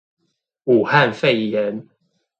武漢肺炎